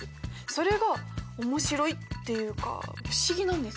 それが面白いっていうか不思議なんです。